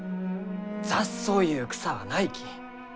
雑草ゆう草はないき。